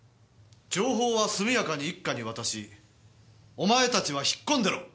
情報はすみやかに一課に渡しお前たちは引っ込んでろ。